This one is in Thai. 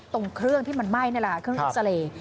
ตรงเครื่องที่มันไหม้นี่แหละค่ะเครื่องเอ็กซาเรย์